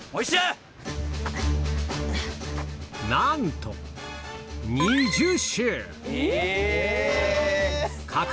なんと２０周！